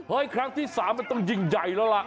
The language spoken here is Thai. ครั้งที่๓มันต้องยิ่งใหญ่แล้วล่ะ